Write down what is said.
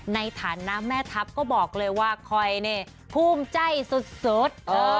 ในฐานะแม่ทัพก็บอกเลยว่าคอยนี่ภูมิใจสุด